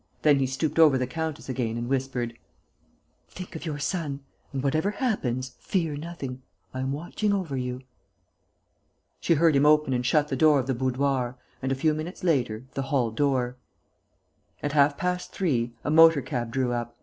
Then he stooped over the countess again and whispered: "Think of your son and, whatever happens, fear nothing.... I am watching over you." She heard him open and shut the door of the boudoir and, a few minutes later, the hall door. At half past three, a motor cab drew up.